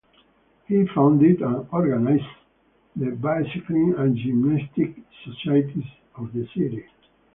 He founded and organized the bicycling and gymnastics societies of the city.